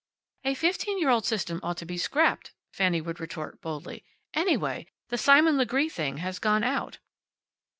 "A fifteen year old system ought to be scrapped," Fanny would retort, boldly. "Anyway, the Simon Legree thing has gone out."